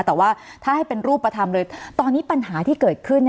แต่ว่าถ้าให้เป็นรูปธรรมเลยตอนนี้ปัญหาที่เกิดขึ้น